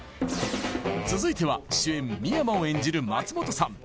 続いては主演・深山を演じる松本さん